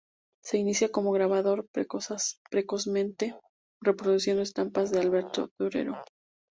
Se inició como grabador precozmente, reproduciendo estampas de Alberto Durero.